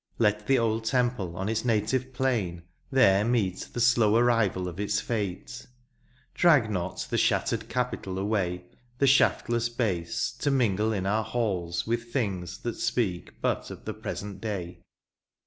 Let the old temple on its native plain There meet the slow arrival of its fate ; Drag not the shattered capital away. The shafdess base, to mingle in our halls With things that speak but of the present day.